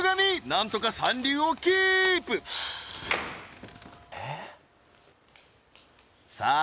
なんとか三流をキープさあ